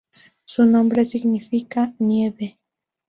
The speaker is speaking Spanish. Su nombre significa "Nieve".